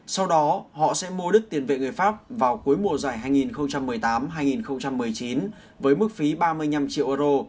sau đó họ sẽ mua đứt tiền vệ người pháp vào cuối mùa giải hai nghìn một mươi tám hai nghìn một mươi chín với mức phí ba mươi năm triệu euro